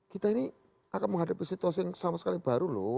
kita ini akan menghadapi situasi yang sama sekali baru loh